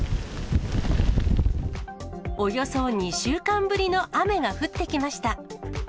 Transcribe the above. およそ２週間ぶりの雨が降ってきました。